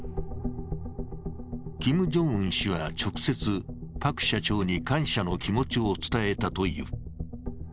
キム・ジョンウン氏は直接、パク社長に感謝の気持ちを伝えたという。